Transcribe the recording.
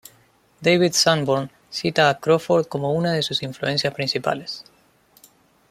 David Sanborn cita a Crawford como una de sus influencias principales.